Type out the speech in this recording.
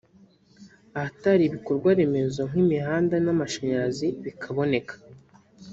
ahatari ibikorwaremezo nk’imihanda n’amashanyarazi bikaboneka